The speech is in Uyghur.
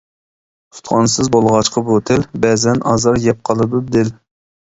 ئۇستىخانسىز بولغاچقا بۇ تىل، بەزەن ئازار يەپ قالىدۇ دىل.